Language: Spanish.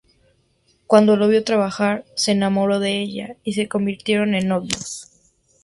Cuando la vio trabajar, se enamoró de ella y se convirtieron en novios.